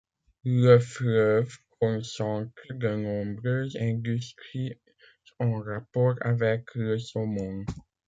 Le fleuve concentre de nombreuses industries en rapport avec le saumon.